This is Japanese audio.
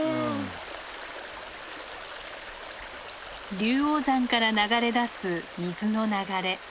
龍王山から流れ出す水の流れ。